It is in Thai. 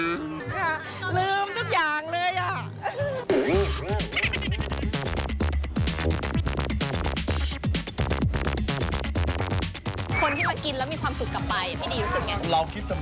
คนที่มากินแล้วมีความสุขกลับไปพี่ดีรู้สึกไง